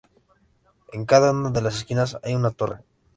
En cada una de las esquinas hay una torre.